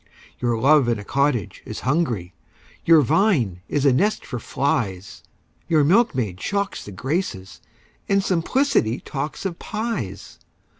Your love in a cottage is hungry, Your vine is a nest for flies Your milkmaid shocks the Graces, And simplicity talks of pies!